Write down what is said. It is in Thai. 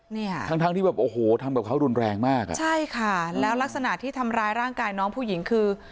เนี่ยทั้งทั้งที่แบบโอ้โหทำกับเขารุนแรงมากอ่ะใช่ค่ะแล้วลักษณะที่ทำร้ายร่างกายน้องผู้หญิงคือ